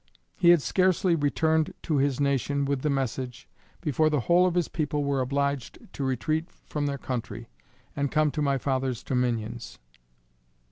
He had scarcely returned to his nation with the message, before the whole of his people were obliged to retreat from their country, and come to my fathers dominions.